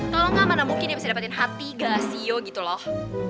kalo gak mana mungkin dia pasti dapetin hati gelasio gitu loh